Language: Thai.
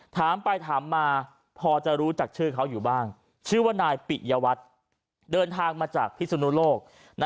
ถามไปถามมาพอจะรู้จักชื่อเขาอยู่บ้างชื่อว่านายปิยวัตรเดินทางมาจากพิศนุโลก